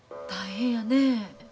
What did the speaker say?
大変やねえ。